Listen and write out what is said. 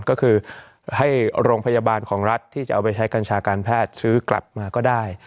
ก็คือให้โรงพยาบาลของรัฐที่จะเอาไปใช้กัญชาการแพทย์ซื้อกลับมาก็ได้